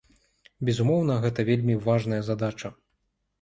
Безумоўна, гэта вельмі важная задача.